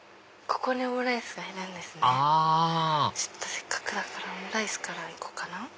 せっかくだからオムライスから行こうかな。